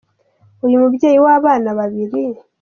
Uyu mubyeyi w’abana babiri